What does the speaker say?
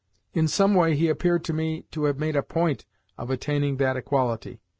In some way he appeared to me to have made a POINT of attaining that equality.